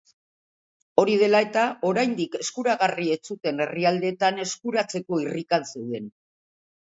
Hori dela eta, oraindik eskuragarri ez zuten herrialdeetan eskuratzeko irrikan zeuden.